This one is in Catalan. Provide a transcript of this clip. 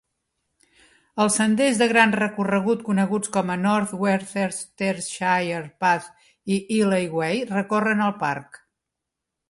Els senders de gran recorregut coneguts com a North Worcestershire Path i Illey Way recorren el parc.